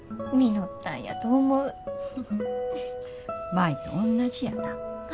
舞とおんなじやな。